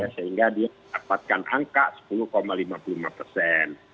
sehingga dia dapatkan angka sepuluh lima puluh lima persen